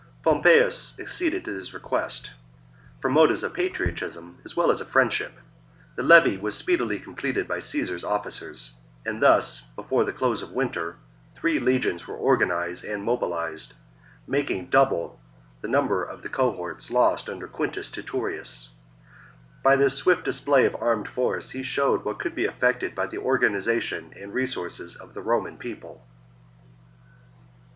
Pompeius acceded to this request 170 BOOK VI CONTINUED DISTURBANCES 171 from motives of patriotism as well as of friend 53 b.c. ship : the levy was speedily completed by Caesar's officers ; and thus before the close of winter three legions were organized and mobilized, making double the number of the cohorts lost under Quintus Titurius. By this swift display of armed force he showed what could be effected by the organization and resources of the Roman People.